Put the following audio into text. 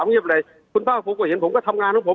เอาเงียบเลยคุณภาพก็เห็นผมก็ทำงานของผม